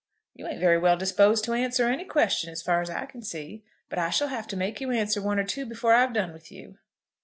"You ain't very well disposed to answer any question, as far as I can see. But I shall have to make you answer one or two before I've done with you.